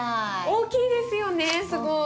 大きいですよねすごい。